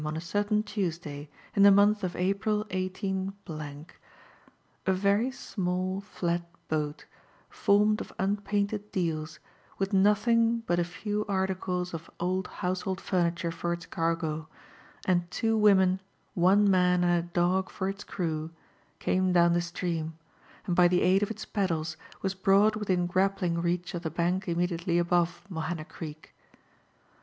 on a certain Tuesday in the month of April 18—, a very small flat boat, formed of unpainted deals, with nothing but a few articles of old household furniture for its cargo, and two women, one man, and a dog for its crew, came doy^n the stream, and by the aid of its paddles was brought within grappling reach of the tank immediately above Mohana Greek.